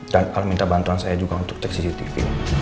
dan al minta bantuan saya juga untuk cek cctv